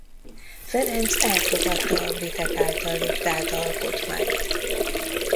Ferenc elfogadta a britek által diktált alkotmányt.